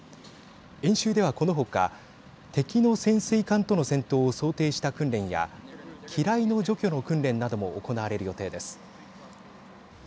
演習では、このほか敵の潜水艦との戦闘を想定した訓練や機雷の除去の訓練なども行われる予定です。